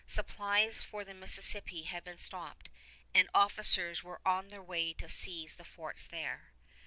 Supplies for the Mississippi had been stopped, and officers were on their way to seize the forts there.